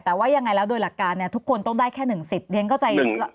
แต่ว่ายังไงแล้วโดยหลักการเนี่ยทุกคนต้องได้แค่๑สิทธิ์เรียนเข้าใจ